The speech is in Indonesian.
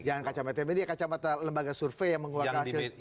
jangan kacamata media kacamata lembaga survei yang mengeluarkan hasil